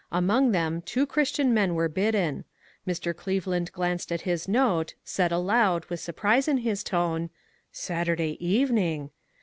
Among them two Christian men were bidden. Mr. Cleveland glanced at his note, said aloud with surprise in his tone : "Saturday evening!"